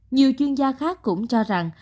nhiều chuyên gia khác cũng cho rằng